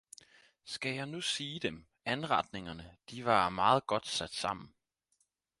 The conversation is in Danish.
Skal jeg nu sige Dem Anretningerne, de vare meget godt satte sammen!